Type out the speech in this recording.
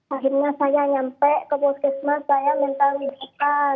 akhirnya saya nyampe ke puskesmas saya minta rujukan